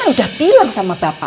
saya kan udah bilang sama bapak